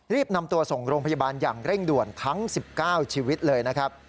นำตัวส่งโรงพยาบาลอย่างเร่งด่วนทั้ง๑๙ชีวิตเลยนะครับ